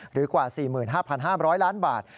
หรือกว่า๔๕๕๐๐ล้านบาท